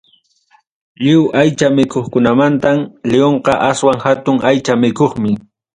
Lliw aycha mikuqkunamantam, lionqa aswan hatun aycha mikuqmi.